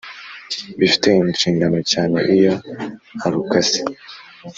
bifite ishingiro cyane iyo arukase